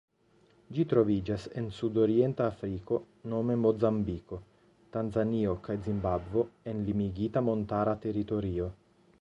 Ĝi troviĝas en sudorienta Afriko nome Mozambiko, Tanzanio kaj Zimbabvo en limigita montara teritorio.